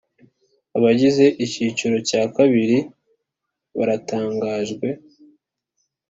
Abagize Ikiciro cya kabiri baratangajwe